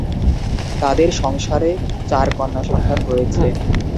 তাদের সংসারে চার কন্যা সন্তান রয়েছে।